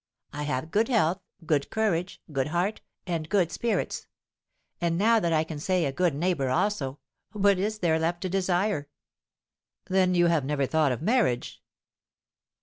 I have good health, good courage, good heart, and good spirits; and now that I can say a good neighbour also, what is there left to desire?" "Then you have never thought of marriage?"